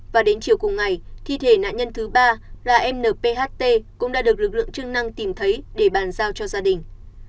và đến chiều cùng ngày thi thể nạn nhân thứ ba là n p h t cũng đã được lực lượng chương năng tìm thấy để bàn giao cho gia đình